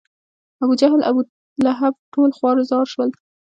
ابوجهل، ابولهب ټول خوار و زار شول.